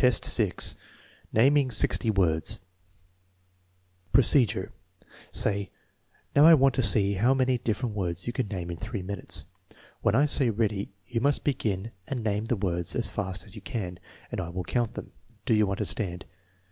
X, 6. Naming sixty words Procedure. Say: "Now, I want to see how many different words you can name in three minutes. When I say ready, you must begin and name the words as fast as you can, and I will count them. Do you understand?